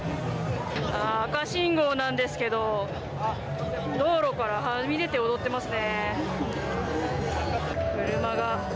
あー、赤信号なんですけど、道路からはみ出て踊ってますね。